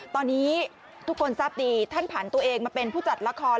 ตอนนี้ทุกคนทราบดีท่านผ่านตัวเองมาเป็นผู้จัดละคร